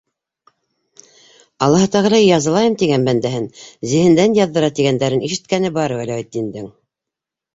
Аллаһ тәғәлә язалайым тигән бәндәһен зиһендән яҙҙыра, тигәндәрен ишеткәне бар Вәләүетдиндең.